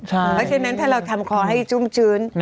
เพราะฉะนั้นถ้าเราทำคอให้ชุ่มชื้น